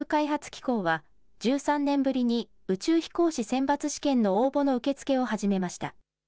一方、ＪＡＸＡ・宇宙航空研究開発機構は、１３年ぶりに宇宙飛行士選抜試験の応募の受け付けを始めました。